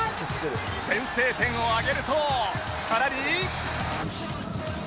先制点を挙げるとさらに